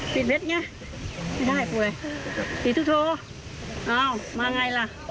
ติดเม็ดไงไม่ได้ป่วยติดทุกโทอ้าวมาไงล่ะ